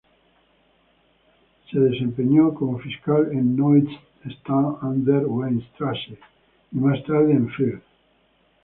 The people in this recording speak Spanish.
Se desempeñó como fiscal en Neustadt an der Weinstraße, y más tarde en Fürth.